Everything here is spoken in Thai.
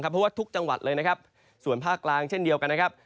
เพราะว่าทุกจังหวัดเลยส่วนภาคกลางเช่นเดียวกัน